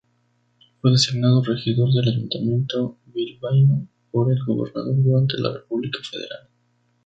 Fue designado regidor del Ayuntamiento bilbaíno por el gobernador durante la República federal.